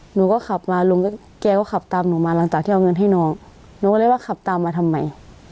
หนูก็ขับมาลุงแกก็ขับตามหนูมาหลังจากที่เอาเงินให้น้องหนูก็เลยว่าขับตามมาทำไม